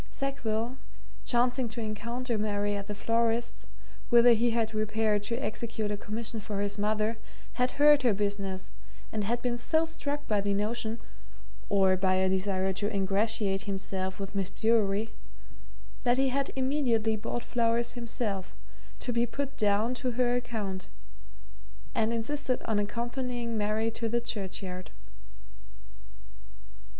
Sackville, chancing to encounter Mary at the florist's, whither he had repaired to execute a commission for his mother, had heard her business, and had been so struck by the notion or by a desire to ingratiate himself with Miss Bewery that he had immediately bought flowers himself to be put down to her account and insisted on accompanying Mary to the churchyard.